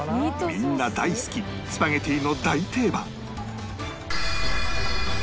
みんな大好きスパゲティの大定番